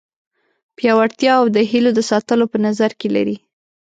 پیاوړتیا او د هیلو د ساتلو په نظر کې لري.